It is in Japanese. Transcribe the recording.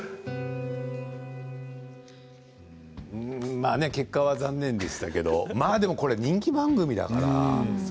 まあね結果は残念でしたけどこれ人気番組だから。